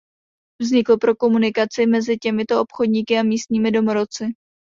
Vznikl pro komunikaci mezi těmito obchodníky a místními domorodci.